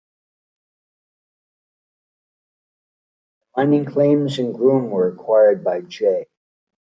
The mining claims in Groom were acquired by J.